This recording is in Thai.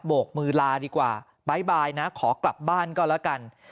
กมือลาดีกว่าบ๊ายบายนะขอกลับบ้านก็แล้วกัน